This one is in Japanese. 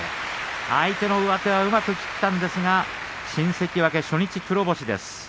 相手の上手はうまくいったんですが新関脇、初日黒星です。